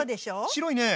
白いね！